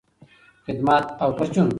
خدمت او پرچون